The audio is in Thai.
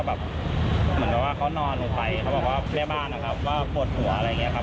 ก็ขอแสดงความเสียใจกับครอบครัวด้วยนะคะ